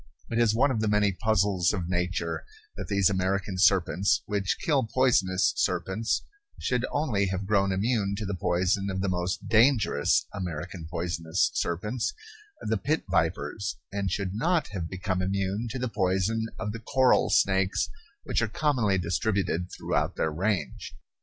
It is one of the many puzzles of nature that these American serpents which kill poisonous serpents should only have grown immune to the poison of the most dangerous American poisonous serpents, the pit vipers, and should not have become immune to the poison of the coral snakes which are commonly distributed throughout their range.